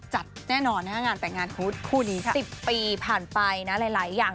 จัดแน่นอนนะคะงานแต่งงานของคู่นี้ค่ะสิบปีผ่านไปนะหลายหลายอย่าง